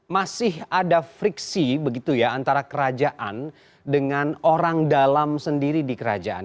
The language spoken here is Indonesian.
masih ada friksi begitu ya antara kerajaan dengan orang dalam sendiri di kerajaan